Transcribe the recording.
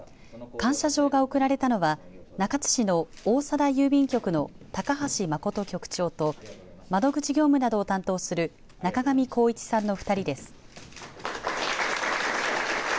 感謝状が贈られたのは中津市の大貞郵便局の高橋誠局長と窓口業務などを担当する中上孝一さんの２人です。